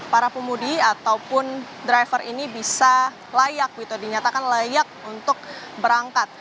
para pemudi ataupun driver ini bisa layak dinyatakan layak untuk berangkat